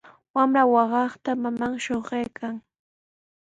Wamra waqaykaqta maman shuqaykan.